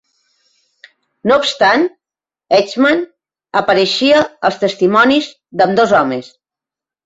No obstant, Eichmann apareixia als testimonis d'ambdós homes.